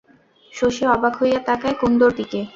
শশী অবাক হইয়া তাকায় কুন্দর দিকে।